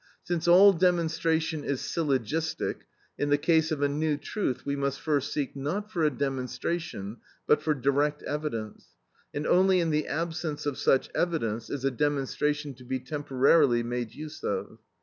Since all demonstration is syllogistic, in the case of a new truth we must first seek, not for a demonstration, but for direct evidence, and only in the absence of such evidence is a demonstration to be temporarily made use of.